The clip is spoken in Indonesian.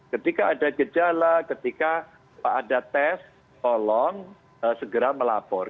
ketika ada gejala ketika ada tes tolong segera melapor